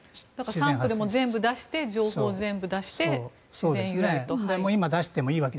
サンプルも全部出して情報を全部出して自然由来と。